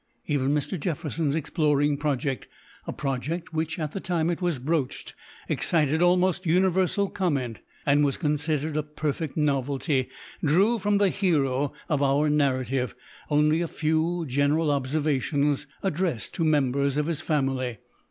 Even Mr. Jefferson's exploring project, a project which, at the time it was broached, excited almost universal comment, and was considered a perfect novelty, drew from the hero of our narrative, only a few general observations, addressed to the members of his family.